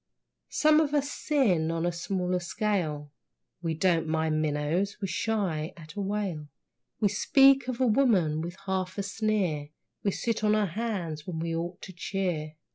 Some of us sin on a smaller scale. (We don't mind minnows, we shy at a whale.) We speak of a woman with half a sneer, We sit on our hands when we ought to cheer.